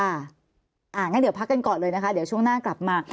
อย่างนั้นเดี๋ยวพักกันก่อนเลยนะคะเดี๋ยวช่วงหน้ากลับมา